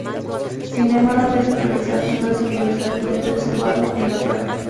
Sin embargo ese aprendizaje no es universalmente observado en la práctica.